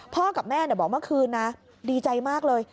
กับแม่บอกเมื่อคืนนะดีใจมากเลย